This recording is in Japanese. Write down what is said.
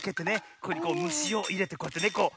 ここにむしをいれてこうやってねこう。